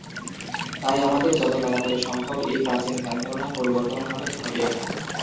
তাই আমাদেরকে যত তাড়াতাড়ি সম্ভব এই প্রাচীন ধ্যান-ধারণার পরিবর্তন ঘটাতে হবে।